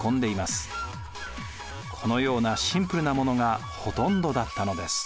このようなシンプルなものがほとんどだったのです。